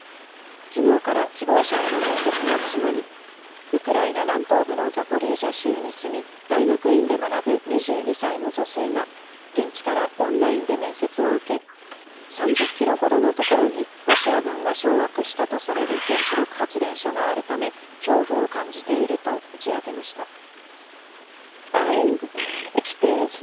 きのうから希望者への面接が始まり、ウクライナ南東部のザポリージャ州に住み、大学院で学ぶ２２歳の女性が、現地からオンラインで面接を受け、３０キロほどの所に、ロシア軍が掌握したとされる原子力発電所があるため、恐怖を感じていると打ち明けました。